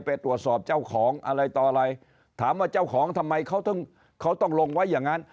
ไปตรวจสอบเจ้าของอะไรต่ออะไรถามว่าเจ้าของทำไมเขาถึงเขาต้องลงไว้อย่างนั้น